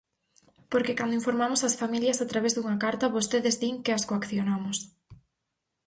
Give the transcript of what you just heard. Porque cando informamos as familias a través dunha carta vostedes din que as coaccionamos.